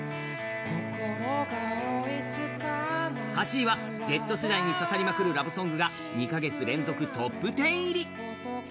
８位はＺ世代に刺さりまくるラブソングが２カ月連続トップ１０入り。